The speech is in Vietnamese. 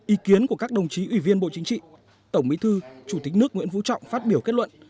ý kiến của các đồng chí ủy viên bộ chính trị tổng bí thư chủ tịch nước nguyễn vũ trọng phát biểu kết luận